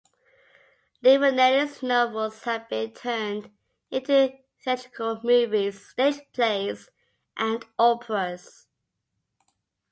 Livaneli's novels have been turned into theatrical movies, stage plays, and operas.